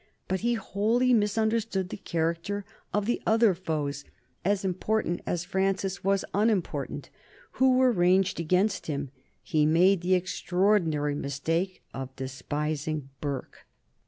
But he wholly misunderstood the character of the other foes, as important as Francis was unimportant, who were ranged against him. He made the extraordinary mistake of despising Burke.